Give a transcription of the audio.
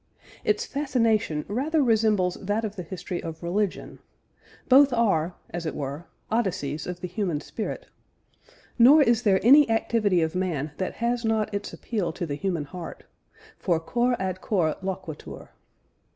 Its fascination rather resembles that of the history of religion: both are, as it were, Odysseys of the human spirit; nor is there any activity of man that has not its appeal to the human heart: for cor ad cor loquitur.